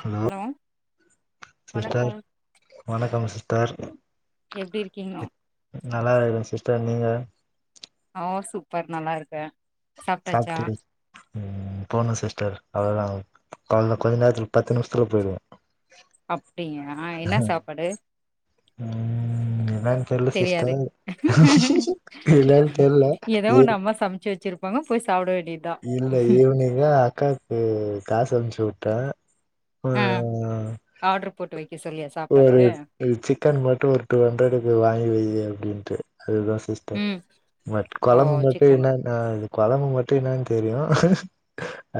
hello வணக்கம் sister வணக்கம் sister எப்டி இருக்கீங்னோ நல்லா இருக்குறன் சிஸ்டர் நீங்க ஆஹ்ன் சூப்பர் நல்லா இருக்கன் சாப்ட்டாச்சா உம் போணும் சிஸ்டர் அவ்ளதா ஒர்க் அவ்ளதா கொஞ்ச நேர்த்துல பத்து நிம்ஷத்துல போயிடுவே அப்டிங்யாஹ் என்னா சாப்பாடு ம் என்னன்னு தெர்ல தெரியாது சிஸ்டர் என்னன்னு தெர்ல எதோ ஏ ஒண்ணு அம்மா சமச்சி வச்சிருப் பாங்க போய் சாப்ட வேண் இல்ல ஈவ்னிங்கா அக்காக்கு காஸ்சம்சு வுட்டன் ஆஹ் ஆட்ரு போட்டு வைக் ஒரு இல் சிக்கன் மட்டும் ஒரு டூ ஹண்ட்ரடுக்கு வாங்கி வையி அப்டின் ட்டு அதுதான் சிஸ்டர் ம் பட் ஓ கொழம்பு மட்டு சிக்கன் என்னென்ன கொழம்பு மட்டு என்னனு தெரியு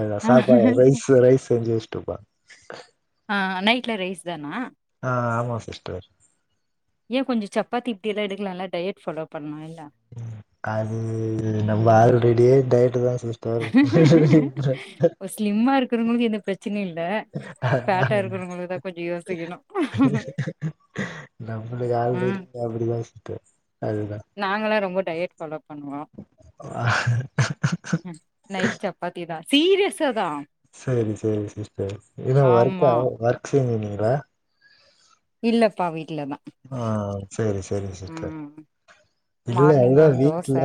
அதான் சாப்பாட ரைஸு ரைஸ் செஞ்சுவச்சுட் டுபா ஆஹ் நைட்ல ரைஸ் தானா ஆஹ் ஆம்மா சிஸ்டர் ஏன் கொஞ்சோ சப்பாத்தி இப்டியெல்லா எடுக்குலால்ல டயட் ஃபாலோ பண்ணால் அது நம்ப ஆளு ரெடியாய் டயட்டுதான் சிஸ்டர் குறவங்ளுக் இந்தப் தா கொஞ்சோ யோசிக்கணு நம்புளுக்கு ஆல் ரெடி அப்டிதான் சிஸ் டர் நாங்களா ரொம்போ டயட் ஃபாலோ பண்ணுவோம் நைட் சப்பாத்திதான் சீரியஸ் செரி செரி சிஸ்டர் இதி என்னா ஆமா ஒர்கா ஒர்க் ஃப்ரம் ஹோமா இறா இல்ல பா வீட் ஆ செரி செரி சிஸ்டர் ம் வீட்ல மார்னிங் அதுதான் ஒரு தோச வீட்ல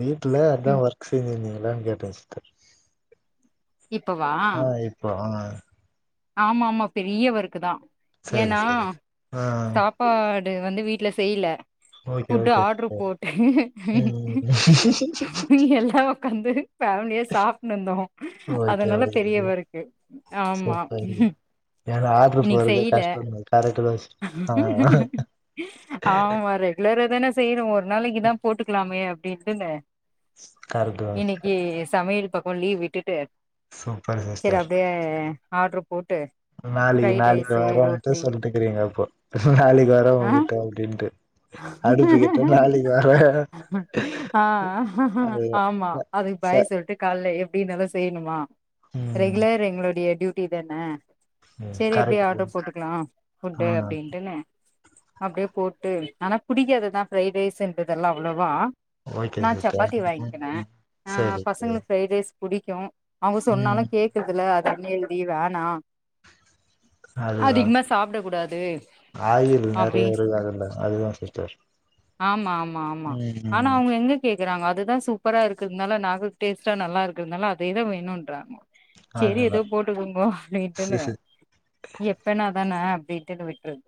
வீட்ல அதான் ம் வர்க் செஞ்சுன்னு ஏன் கேட்டேன் சிஸ்டர் இப்பவா ஆ இப்போ ஆஹ் ஆமா ஆமா பெரியவர்க்குதான் சேரி ஏன்னா சேரி ஆ சாப்பாட் வந்து வீட்ல செய்யில okay food okay order sister போட்டு ம் எல்லா உக்காந்து பேமிலியா சாப்னு இருந்தோ ஓகே அதனால ஓகே பெரியவருக்கு ஆமா சூப்பர்ங்க ஏன்னா ஆர்டரு இன்னிக்கு போறது செய்யில கஷ்டந்தா கரெக்ட் தா சிஸ் ஆ ஆமா ரெகுலராதான செய்றோ ஒரு நாளைக்குதா போட்டுக்கலாமே அ ப்டினு கரெக்ட் தா இன்னிக்கு சமையல் பக்க லீவ் விட்டுட்டு செர் அப்டியே ஆர்டரு போட்டு நாளைக்கி ஃப்ரைட் நாளைக்கி ரைஸு வரோன்ட்டு ரொட்டி சொல்ட்டுகிறீங்க அப்போ நாளைக்கு வர ஆ உங்கிட்ட அப்டின்ட்டு அடுப்பு கிட்ட நாளைக்கு வரே ஆ அதுதா ஆமா ச அதுக்கு ச பாய் சொல்லிட்டு கால்ல எப்டி என்னால அத செய்ணுமா ம் ரெகுலர் எங்களுடைய டியூ ட்டிதான ம் சேரி அப்டியே கரெக்ட் தா ஆர்டர் போட்டுக்கலா ஃபுட்டு ஆ அப்டின்ட்டுனு அப்டியே போட்டு ஆனா புடிக்காதுதா பிரைட் ரைஸ்ன்றதெல்லா அவ்ளோவா ஓகே நா சிஸ்டர் சப்பாத்தி வாங்கிக்கின ம் ஆ சரி சரி பசங்களுக்கு ஃப்ரைடு ரைஸ் புடிக்கு அவங்க சொன்னாலு ம் கேக்குறதுல்ல அன் ஹெல்தி வேணா அதுதா அதிகமா சாப்ட கூடாது ஆயில் அப்டி நறைய இருக்கு அதுல அதுதா சிஸ்டர் ஆமா ஆமா ஆமா ஆனா ம் அவங்க எங்க கேக் கிறாங்க அதுதா சூப்பரா இருக்கிறதுனால நாக்கு டேஸ்ட்டா நல்லா இருக்கிறதுனால அதேதா வேணும்ன்றாங்க சரி ஏதோ போட்டுக்கோங்கோ அப்படிடுனு அதுதா எப்பனா தான அப்படிடுனு விட்றது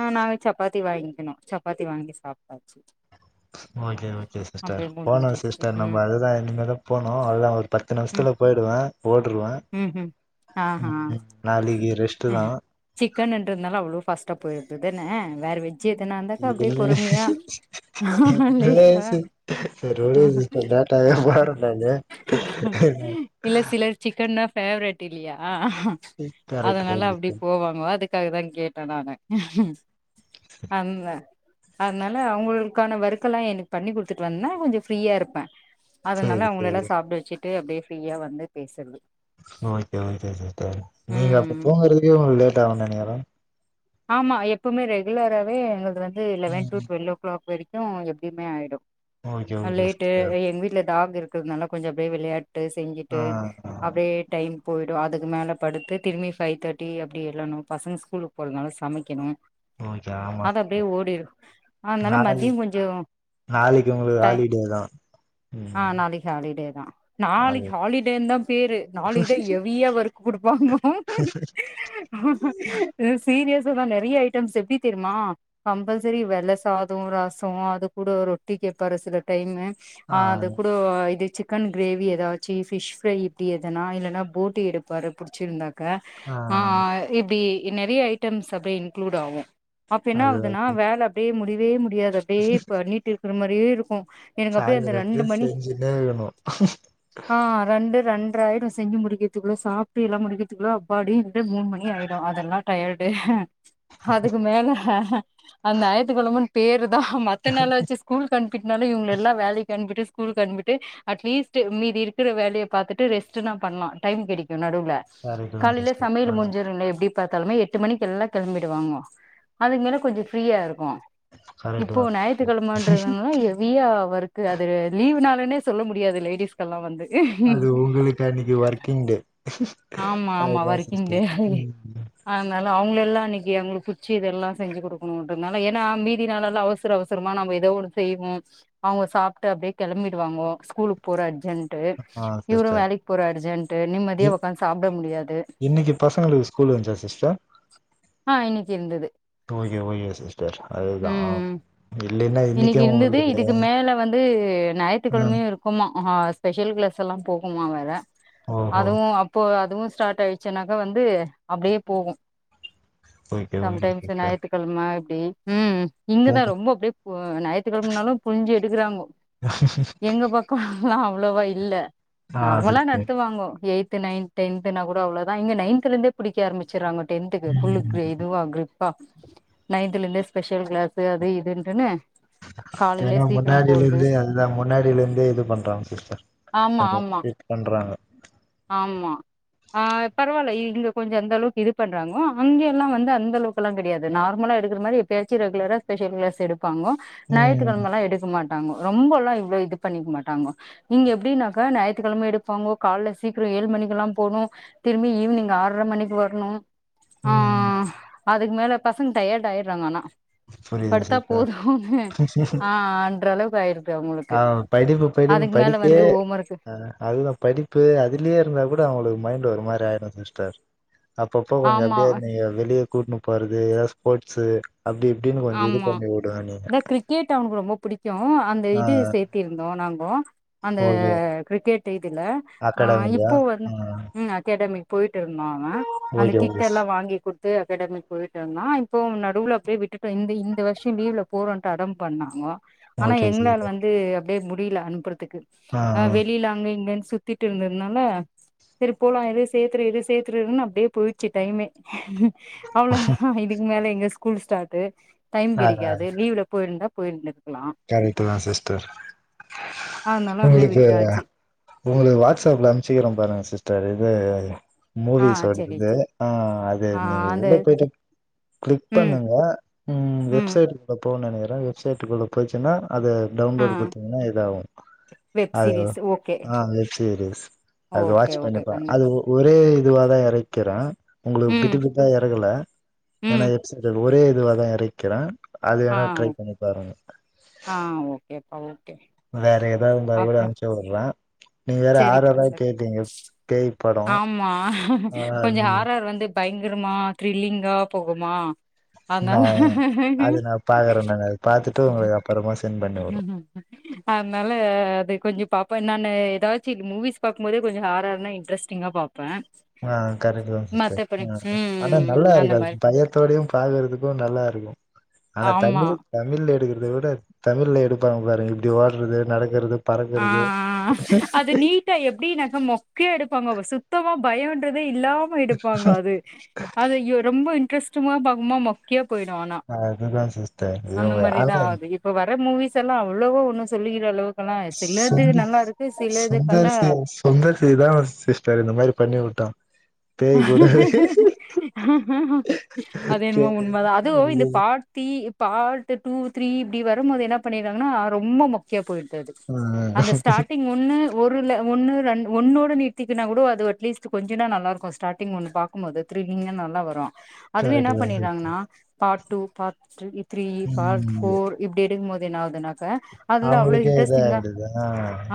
ஆ நா சப் பாத்தி வாங்கிகனோ சப்பாத்தி வாங்கி சாப்ட்டாச்சு ஓகே ஓகே சிஸ்டர் அப்டியே போனோ முடிஞ்சிச்சு சிஸ்டர் ம் நம்ம அதுதா இனிமே தா போனோ அதல்லா ஒரு பத்து நிமிஷத்துல போயிடுவே ஓடுருவ உம் உம் ஆ அ நாளைக்கு ரெஸ்ட்டு தா சிக்கன்றதுனால அவ்ளோ பாஸ்டா போயிருதுதான வேற வெ இல்ல இல்ல லேட்டா சிஸ்டர் [unintelligible] நானு என்ன பேவரைட் இல்லியா கரெக்ட் தா அதனால அப்படி சிஸ்டர் போவாங்கோ அதுக் அதுக்காக தா கேட்டே நானு அந்த அதனால அவங்களுக்கான வர்க் எல்லா ஏன் பண்ணி கொடுத்துட்டு வந்தேன்னா கொஞ்சு ஃப்ரீயா இருப்பே அதனால சேரி அவங்கள எல்லா சேரி சாப்ட வெச்சு டு அப்பிடியே பிரீயா வந்து பேசு தெரிது ஓக்கே ஓக்கே சிஸ்டர் நீங்க அப்ப ம் தூங்குறதுலையுலேட் ஆகுனு நெனைக்கிறே ஆமா எப்பவுமே ரெகுலராவே எங்க்குளுதா அ eleven to twelve o'clock வரைக்கு கு எப்பயுமே ஆயிடு ஓகே ஆ ஓகே லேட்டு சிஸ்டர் எங்க வீட்ல டாக் இருக்கு இருக்குறதுனால கொஞ்சோ அப்டியே வெளையாட் டு ஆ செஞ்சுட்டு அப்டியே டைம் போயி அதுக்கு மேல படுத்து திரும்பி பை தேர்டி அப்பிடி எழணு பசங்க ஸ்கூல போலனாலு சமைக்கணு ஓகே ஆமா அது அப்டியே சிஸ்டர் ஓடிடுரு அதனால நாளை மதியோ கொஞ்சு ஆ நாளைக்கு உங்களுக்கு டைம் ஹாலிடே தா ஆ ம் நாளைக்கு ஹாலிடே தா அது நாளைக்கு ஹாலிடேன் தா பேரு நாளைக்குதா ஹெவியா வர்க் குடுப்பாங்க ஆ ஆ சீரியஸ்ஸா தா நெறைய ஐட்டம்ஸ் எப்பிடி தெரிமா கம்பல்சரி வெல்ல சாதோ ரசோ அது கூட ரொட்டி கேப்பாரு சில டைமு ஆ அது கூட இது சிக் சிக்கன் கிரேவி ஏதாச்சு பிஷ் ப்ரை இப்பிடி எதுனா இல்லன்னா போட்டி எடுப்பாரு புடிச்சிருந்தா க்கா ஆ ஆ இப்டி நெறைய ஐட்டம்ஸ் அப்டியே இன்க்ளூட் ஆகு அப்ப என்ன அது ஆகுதுன்னா அது வேல அப்படியே முடி இதே மு முடியாதப்டி அப்டியே பண்ணிட்டு அவரு மாரியே இருக்கு எனக்கு அப்படியே அந்த சாயந்தர ரெண்டு வரையு மணி செஞ்சுனே இருக்கணு ஆ ரெண்டு ரெண் பத்தரையாயிடு செஞ்சி முடிகிறதுக்குள்ள சாப்டு எல்லாம் முடிகிறதுக்குள்ள அப்பாடி ரெண்டு மூணு மணி ஆயிடு அது அதெல்லா டயர்டு அதுக்கு மேல அது ஞாயத்துக்கெழமென்னு பேரு தா மத்த நாலச்சு ஸ்கூலுக்கு அனுப்பிட்டுனால இவங்க எல்லா வேலைக்கு அனுப்பிட்டு ஸ்கூல்க்கு அனுபிட்டு அட்லீஸ்ட் மீதி இருக்கிற வேலையை பாத்தட்டு ரெஸ்ட் நா பண்ணலா டைம் கிடைக்கு கு நடுவுல கரெக்ட்டு தா காலையில சிஸ்டர் ஆ சமையல் முடிஞ்சருல்ல எப்பிடி பாத்தாலுமே எட்டு மணிக்கு எல்லா கெளம்பிடு வாங்கோங்க அதுக்கு மேல கொஞ்சு ஃபிரியா இருக் கு கரெக்ட்டு இப்போ தா ஞாயித்துகெழமென்றது நால ஹெவியா வர்க்கு அது லீவ்ன உடனே சொல்ல முடியாது லேடிஸ்கல்லா வந்து அது உங்குளுக்கு அன்னிக்கி ஒர்க்கிங் டே ஆமா ஆமா அதுதா ஒர்க்கிங் டே சிஸ்டர் ம் அதனால அவுங்கள எல்லா அன்னி க்கி அவுங்களுக் புச்சி இதெல்லா செஞ்சு குடுக்குனுன்றதுனால ஏனா மீதி நாளெல்லா அவுசர அவுசரமா நம்ம எதோ ஒனு செய்வோ அவுங்க சாப்ட்டு அப்டே கெளம்பிடுவாங்கோ ஸ்கூலுக் போற அ ர்ஜெண்ட்டு ஆ இவுரு வேலைக் போற அர்ஜெண்ட்டு நிம்மதியா உக்காந்து சாப்ட முடியாது இன்னக்கி பசங்களுக்கு ஸ்கூல் இஞ்ச்சா சிஸ்ட ஆ இன்னைக்கு இருந்தது ஓகே ஓகே சிஸ்டர் அதுதா அ இன்னிக்கி இருந்துது இதுக்கு மேல வந்து ம் ஞாயித்துக்கெழமையு இருக்குமா ஆஹ ஸ்பெஷல் கிளாஸ் எல்லா போகுணுமா வேற ஓஹோ அதுவு அப்போ அதுவு ஸ்டாட் ஆயிச்சிநாக்க வந்து அப்டியே போகு okay some okay times sister ஞாயித்துக்கெழம ம் ம் இங்கதா ரொம்ப அப்டே ஓ ஞாயிற்றுக் கெழமனாலு புழிஞ்சு எடுக்கறாங்கோ எங்க பக்கோ ல அவ்ளவா இல்ல ஆ நார்மலா சிஸ்டர் நடத்துவாங்கோ எ த்து நைன் டென்த்துனா கூட அவ்ளதா இங்க நைன்லந்தே இருந்தே புடிக்க ஆரம்பிச்சறாங்கோ டென்துகு ஃபுல்லு ம் க் இதுவா கிரிப்பா நைன்த்துல இந்தே ஸ்பெஷல் கிளாஸு அது இதுன்ட்டுனு ஏனா முன்னாடியில இருந்தே அதுதா முன்னாடியில இந்தே இது பண்றாங் சிஸ்டர் ஆமா கொஞ்சோ ஆமா ஸ்டிட் பண்றாங்கொ ஆஹ் பரவால்ல இங்க கொஞ்சோ அந்த அளவுக் இது பண்றாங்கோ அங்க எல்லா வந்து அந்த அளவுக்கு எல்லாங் கெடையாது நார்மலா எடுக்கற மாரி எப்பயாச்சு ரெகுலரா ஸ்பெஷல் கிளாஸ் எடு ப்பாங்கோ ம் ஞாயிற்றுக்கெழம எல்லா எடுக்க மாட் ட்டாங்கோ ரொம்ப எல்லா இவ்ளோ இது பண்ணிக் மாட்டாங்கோ இங்க எப்டினாக்க ஞாயித்துக்கெழமயு எடுப்பாங்கொ கால்ல சீக்ரோ ஏழு மணிக்கெல்லா போணு திரும்பி ஈவினிங் ஆற்ர மணிக்கு வர்ணு அ அ ம் அ அ அதுக் மேல பசங் டயேர்டு ஆயிர்றாங் ஆனா புரியிது சிர் போதுனு ஆ ஆன்ற அளவு காய்ருது ஆ படிப்பு படிப்பு படிப்பே வந்து ஹோம் ஒர்க்கு அ அதுதா படிப்பு அதுலியே இருந்தா கூட அவுங்களுக்கு மைண்டு ஒரு மார் ப்டி ஆய்டு சிஸ்டர் அப்பப்போ கொஞ்சோ ஆமா அப்டியே நீங்க வெளிய கூட்னு போறது ஏதா ஸ்போர்ட்ஸு அப்டி இப்டின்னு கொஞ்ச இது ஆமா பண்ணி உடுவானுக இந்த கிரிக்கெட் அவனுக்கு ரொம்ப புடிக்கு அந்த இது சேத்திருந்தோ நாங் ஓ அந்த ஓகே க்ரிக்கெட் இதுல ஆ அகாடமிலயா இப்போ வந் ஆ ம் அகேடமிக் இருந்தாங்க அந்த ஓகே ஓகே கிட்டெல்லா வாங்கி குடுத்து அகாடமி போயிட்டுருந்தா இப்போ நடுவுல அப்டியே விட்டுட் இப்ப இந்த இந்த வருஷ லீவ்ல போறன்ட்டு அடம் பண்ணாங்கோ ஆனா ஓகே எங்ளால சிஸ்டர் வந்து இதே முடில அனுப்பறதுக் கு ஆ வெளில அங்க இங்கன் சுத்திட்டிருந்ததுனால செரி போலா இரு சேத்துற இரு சேத்தற இருன்னு அப்டியே போய்ச்சு டைமே அவ்ளோதா இதுக்கு மேல எங்க ஸ்கூல் ஸ்டாட்டு டைம் கெடைக்காது லீவ்ல போயிருந்தா போயிருந்து கரெக்ட்டுதா சிஸ்டர் அதனால அப்டியே உங்ளுக்கு விட்டாச்சு உங்ளுக் வாட்ஸ் அப்ல அனுப்ச்சிக்ற பாருங்க சிஸ் டர் இது ஆ மூவிஸோடது செரி இது ஆ அத ஆ நீ அந்த உள்ள போய்ட்டு க்ளிக் ம் பண்ணுங்க ம் வெப்சைட் குள்ள போவு நெனைக்கற வெப்சைட்டுக்குள்ள போய்ச்சினா அது ஆ டவுன்லோடு குத்தீங்னா இதாவு வெப் அது சீரிஸ் ஓகே ஆ வெப் சீரிஸ் அது ஓகே வாட்ச் ஓகே பண்ணிப்பா அது கண்டிப்பா ஒ ஒரே இதுவாதா எறைக்கிறே உங்களுக்கு ம் பிட்டுபிட்டா எறக்கல ஏன்னா ம் எஃப் சென்டர் ஒரே இதுவாதா எறைக்கிறே அது வேண்ணா ட்ரை பண்ணி பாருங்க ஆ ஓகே ஆ ஓகே வேற எ தா இருந்தாகூட அப்றோ அனுப்ச்சு வுடுற நீ வேற சரிப்பா ஹாரரா சரி கேட்டீங்க கே ஆமா கொஞ்சோ ஹாரர் வந்து பயங்கரமா த்ரில்லிங்கா போகுமா நா அது நா அதனால பாக்ற நானு அது பாத்துட்டு உங்ளுக் அப்றமா செ அதனால அது கொஞ்சோ பாப்பா என்னான்னு ஏதாச்சு மூவிஸ் பாக்கும்போதே கொஞ்சோ ஹார்ரர்னா இன்ரஸ்டிங்கா பாப் ஆஹ் கரெக்ட்தா சிஸ்டர் ஹ ஆனா ம் நல்லா அந்த இருக்கு மாரி அது பையத்தோடையு பாக்குறதுக்கு நல்லா இருக்கு ஆனா ஆமா தமிழ் தமிழ் எடுக் இத விட தமிழ்ல எடுப்பாங் பாருங்க இப்டி ஓடறது நடக்றது ஆஹ் அது நீட்டா எப்டின்னாக்கா மொக்கயா எடுப்பாங்க வசத் சுத்தமா பயம்ன்றது வே இல்லாம எடுப்பாங்க அது அது இ ரொம்ப இன்ட்ரெஸ்ட் ஜும்மா பம்மா மொக்கையாப் அதுதா சிஸ்டர் இங்க அல இதெல்லா அவ்ளவோ ஒண்ணு சொல்லிகற அளவுக்கெல்லா சிலது சுந்த நல்லா இருக்கு சிலது பாத்தா சுந்தர் சுந்தரிசிதா சிஸ்டர் இந்த மாரி பண்ணி விட்டா அது என்னமோ பேய் உண்மதா அதுவு இந்த இல்லையே பார்த்தி பார்ட்டு டூ த்ரீ இப்டி வரும்போது என்ன பண்ணிடுவாங்கன்னா ரொம்ப மொக்கையா போயிடு அது ஆ அந்த ஸ்டாடிங் ஒன்னு ஒருல ஒன்னு ரெண் ஒன்னோட நிறுத்திக்கனா கூட அது அட்லீஸ்ட் கொஞ்சோனா நல்லாருக்கு ஸ்டாடிங் ஒன்று பாக்கும் போது த்ரில்லிங்கா நல்லா வரு அதுவே கரெக்ட் என்னா தா சிஸ் பண்ணிறாங்கன்னா part two part three three part ம் ஃபோர் இப்டி எடுக்குபோது இது என்னாவ்துனாக் அவங்களுக்கே இத ஆயிடுதனா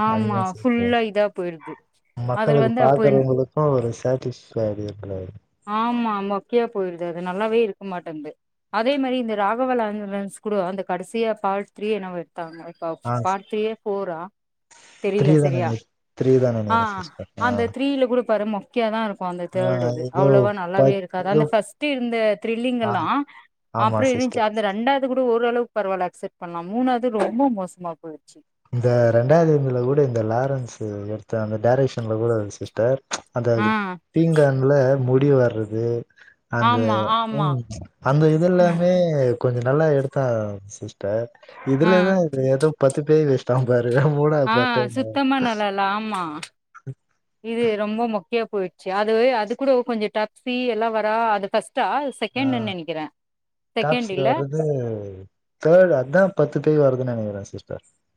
ஆமா அதுதா சேத்து ஃபுல்லா இதா போயிடுது அதுல மக்களுக்கு வந்து அப்போ என்ன பாக்குறவங்களுக்கு ஒரு சேட்டிஸ் சரிப் [unintelligible] ஆமா ஆமா மொக்கையா போயிருது அது நல்லாவே இருக்க மாட்டேங்து அதே மாரி இந்த ராகவா லாரன் ஸ் கூட அந்த கடைசியா பார்ட் த்ரீ என்னவ தாங்க இப்ப ஆ பார்ட் திரீயா ஃபோரா த்ரீ தெரில தான செரியா நீ த்ரீ தான நேரு ஆஹ் சிஸ்டர் ஆ அந்த த்ரீல கூட பாரு மொக்கயாதா இருக் ஆ கவுடுது ஏதோ அவ்ளவா நல்லாவே பத் இருக்காதா ஏதோ அந்த ஃபர்ஸ்டி இருந்த திரில்லிங் ஆ எல்லா ஆமா அப்டியே இருந்துச்சா சிஸ்டர் அந்த இரண்டாவது கூட ஓரளவுக்கு பரவாயலக் அக்ஸ்சேட் பண்லா அம்மூனாவது ரொம்போ மோசமா போயிற்ச்சி இந்த ரெண்டாயந்துல கூட இந்த லாரன்ஸ்சு எடுத்த அந்த டரைசன்ல கூட சிஸ்டர் அந்த ஆ தீங்கான்ல முடி வர்றது அந்த ஆமா ஆமா உம் அந்த இது எல்லாமே கொஞ்ச நல்லா எடுத்தா சிஸ்டர் ஆ இதுலதா இது ஏதோப் பாத்துப் [unintelligible] ஆ சுத்தமா நல்லயில்ல ஆமா இது ரொம்போ மோ மொக்கையா போய்டுச்சு அதுவே அது கூட கொஞ்ச [unintelligible] எல்லா வரா அந்த ஃபஸ்ட் ஆ செகண்ட் டாக்ஸ்ல இல்ல வரது தேர்டு அதா பத்து பேய் வருதுன்னு நெனக்கிற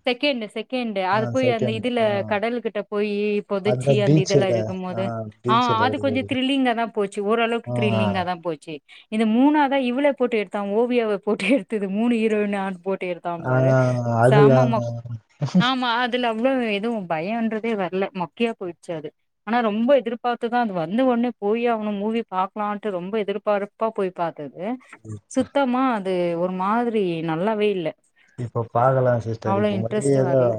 செகண்டு் செகண்டு அது போய் அந்த செகண்ட் இதுல ஆ கடல் கிட்ட போயி அதா பொதச்சி அந்த இதெல்லா பீச்சுல இருக்கும் ஆ போது ஆ பீச்சுல அது இருக்கு கொஞ்ச இருக்கு த்ரில்லிங்கா தா போச்சி ஓரளவுக்கு ஆ த்ரில்லிங்கா தா போச்சி இந்த மூணாவு தா இவளே போட்டு எடுத்தா ஓவியவப் போட்டு எடுத்தது மூணு ஈரோன்னு [unintelligible] போட் ஆ அது ஆமாமாக் ஆமா அதுல [unintelligible] எது பயன்றதே வரல மொக்கியா போயிட்ச்சி அது ஆனா ரொம்ப எதிர்பாத்துதா அது வந்தவொன்னே போயே ஆவணு மூவி பாக்லான்ட்டு ரொம்ப எதிர்பார்ப்பா போய் பாத் அடுத்தது சுத்தமான் அது ஒரு மாதிரி நல்லவே இல்ல இப்போ பாக்கலா சிஸ்டர் அவ்ளோ இப்ப மறுபடி இன்ட்ரெஸ்ட் ஏதோ வரல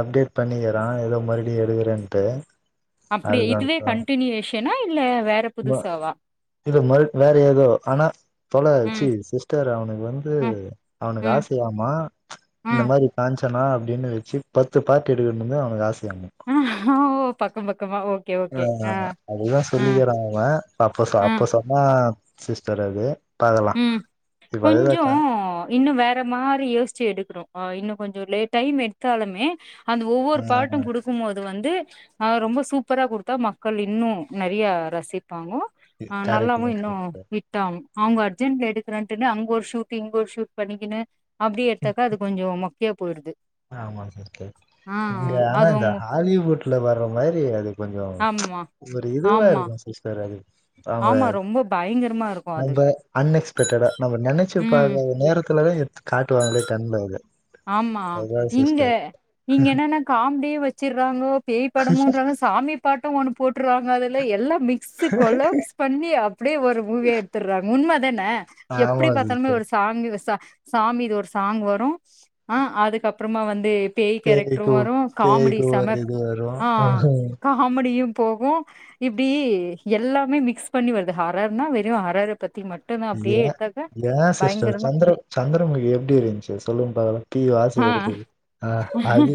அப்டேட் பண்ணிக்கிறா ஏதோ மறுபடியு எடுக்குறேன்னு [unintelligible] அப்டியே இதுவே கண்டியுவேஷ் ஏனா இதுல [unintelligible] இல்ல மறு வேற ஏதோ ஆனா தோழா ச்சி ம் சிஸ்டர் அவனுக்கு வந்து ம் அவனுக்கு ம் ஆசையாமா இந்த ம் மாரி காஞ்ச் த்தனா அப்டின்னு வச்சிப் பத்து பார்ட்டு எடுக்கணுமே அவனுக்கு ஆஸ் ஒ ஒ பக்க பக் ஆ ஆமா ஆமா அதுதா ஆ சொல்லிக்கிறா அவ அப்போ ச ஆ அப்போ செம சிஸ்டர் அது பாக்கலா ம் இப்ப அதுதா கொஞ்ச க இன்னு வேற மாரி யோசிச்சு எடுக்குறோ ஆ இன்னு கொஞ்சோ லே டைம் எடுத்தாலுமே அது ஆ ஒவ்வொரு பாட்டு குடுக்கும் போது வந் து ஆ ரொம்ப சூப்பரா குடுத்தா மக்கள் இன்னு நெறைய ரசி பாங்கோ ஆ கரெக்ட் நல்லாவு தா இன்னு சிஸ்டர் விட்டாம் அவங்க ஜென் எடுக்கிறான்ட்டுன்னு அங்க ஒரு ஷூட் இங்க ஒரு ஷூட் பண்ணிக்கினு அப்டியே எடுத்தக்க அது கொஞ்ச மொக்கயா போய்டுது ஆமா சிஸ்டர் இங்க ஆனா அது இந்த உங்க ஹாலிவுட்ல வர்ற மாரி அது கொஞ்ச ஆமா ஒரு இதுவா ஆமா இருக்கு சிஸ்டர் அது அவுங்க ஆமா ரொம்ப பயங்கரமா இருக்கு அது நம்ப அன்எக்ஸ்பெட்டடா நம்ம நெனச்சு ம் பாக்காத நேரத்துலதா எ காட்டுவாங்களே கண்ல அவுர ஆமா இங்க இங்க என்னன்னா காம்டி வெச்சிறாங்கோ பேய் படமுன்றாங்க சாமி பாட்டு ஒன்னு போட்டுடுறாங்க அதுல எல்லா மிக்ஸ்ஸு கொலாப்ஸ் பண்ணி அப் அப்டே ஒரு மூவியா எடுத்தற்றாங் உண்ம அ இப்ப ஆமா எப்டி பாத்தாலுமே சிஸ்டர் ஒரு சாங்கு விசா சாமிது ஒரு சாங் வரோ அ அதுக்கப்புறமா வந்து பேய் கேரக்ட்ரூ பேய்க்கு வரூ காமெடி பேய்க்கு ஒரு செமக் இது ஆ வரு காமெடியூ போகும் இப்டி எல்லாமே மிக்ஸ் பண்ணி வருது ஹாரறுனா வெறும் ஹாரறு ஏ ஏ சிஸ்டர் பயங்கரமா சந்திரம் சந்திரமுகி எப்டி இருந்ச்சு சொல்லுங்க பாக்கலா தீ ஹார்ஸ் ஆ எடுக்குது ஆ அது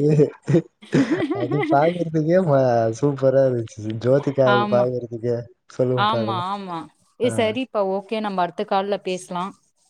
அது சாய்ந்தரதுக்கே சூப்பரா இருந்துச்சு ஜோதிகாவ ஆமா பக்றதுக்கே ஆமா ஆமா சரிப்பா ஓக் என்ன மார் அடுத்த கால்ல பேசலா